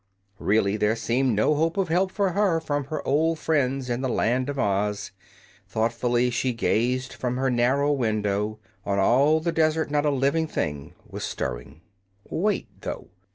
Really, there seemed no hope of help for her from her old friends in the Land of Oz. Thoughtfully she gazed from her narrow window. On all the desert not a living thing was stirring. Wait, though!